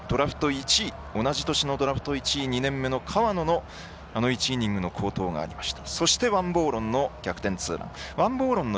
同じ年のドラフト１位２年目の河野１イニングの好投がありました。